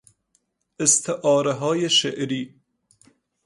استعارههای شعری